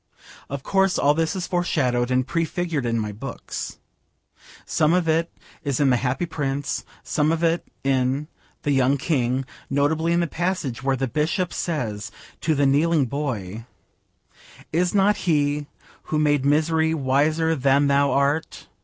Of course all this is foreshadowed and prefigured in my books. Some of it is in The Happy Prince, some of it in The Young King, notably in the passage where the bishop says to the kneeling boy, 'Is not He who made misery wiser than thou art'?